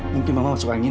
mungkin mama masuk angin